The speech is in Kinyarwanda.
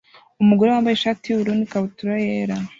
Umugore wambaye ishati yubururu nikabutura yera